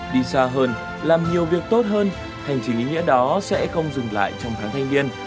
đi xa hơn làm nhiều việc tốt hơn hành trình ý nghĩa đó sẽ không dừng lại trong tháng thanh niên